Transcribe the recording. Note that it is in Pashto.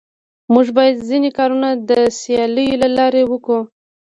موږ بايد ځيني کارونه د سياليو له لاري وکو.